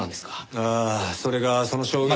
ああそれがその証言。